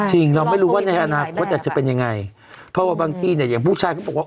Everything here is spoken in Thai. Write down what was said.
เราไม่รู้ว่าในอนาคตอาจจะเป็นยังไงเพราะว่าบางทีเนี่ยอย่างผู้ชายเขาบอกว่า